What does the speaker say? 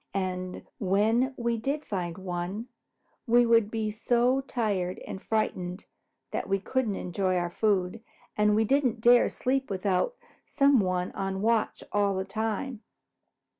And when we did find one, we would be so tired and frightened that we couldn't enjoy our food, and we didn't dare to sleep without some one on watch all the time.